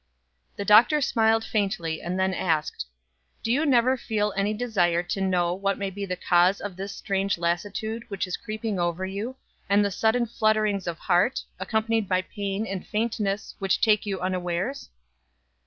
The Doctor smiled faintly, and then asked: "Do you never feel any desire to know what may be the cause of this strange lassitude which is creeping over you, and the sudden flutterings of heart, accompanied by pain and faintness, which take you unawares?"